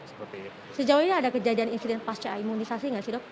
sejauh ini ada kejadian insiden pasca imunisasi nggak sih dok